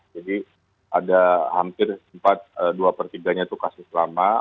jadi ada hampir sempat dua per tiga nya itu kasus lama